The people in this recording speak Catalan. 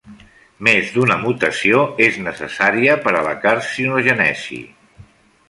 Més d'una mutació és necessària per a la carcinogènesi.